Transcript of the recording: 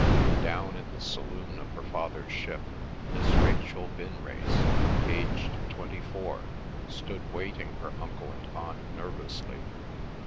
Down in the saloon of her father's ship, Miss Rachel Vinrace, aged twenty four, stood waiting her uncle and aunt nervously.